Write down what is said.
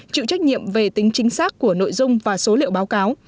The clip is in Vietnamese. chịu trách nhiệm về tính chính xác của nội dung và số liệu báo cáo